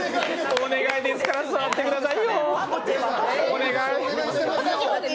お願いですから座ってください。